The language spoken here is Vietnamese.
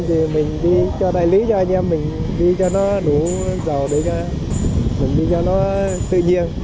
thì mình đi cho đại lý cho anh em mình đi cho nó đủ dầu để cho nó tự nhiên